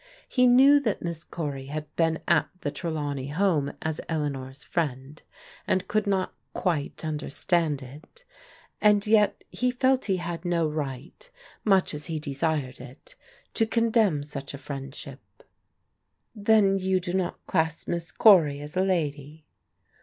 He knew that Miss Cory had been at the Trelawney home as Eleanor's friend, and UNACCEPTABLE ADVICE 105 could not quite understand it, and yet he felt he had no right, much as he desired it, to condemn such a friend ship. Then you do not class Miss Cory as a lady